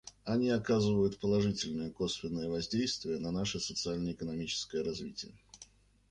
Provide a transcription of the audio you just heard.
Они оказывают положительное косвенное воздействие на наше социально-экономическое развитие.